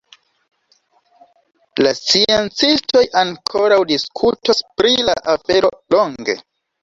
La sciencistoj ankoraŭ diskutos pri la afero longe.